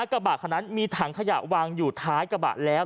กระบะคนนั้นมีถังขยะวางอยู่ท้ายกระบะแล้ว